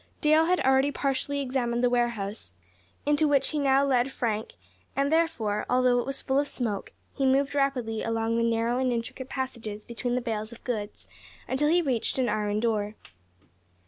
Dale had already partially examined the warehouse, into which he now led Frank; and, therefore, although it was full of smoke, he moved rapidly along the narrow and intricate passages between the bales of goods, until he reached an iron door.